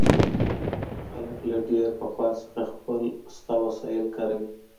خلګ له ډېر پخوا څخه خپل شته وسايل کاروي.